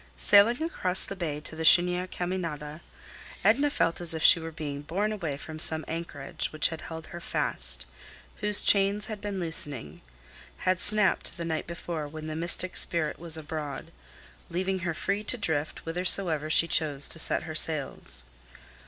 Sailing across the bay to the Chênière Caminada, Edna felt as if she were being borne away from some anchorage which had held her fast, whose chains had been loosening—had snapped the night before when the mystic spirit was abroad, leaving her free to drift whithersoever she chose to set her sails.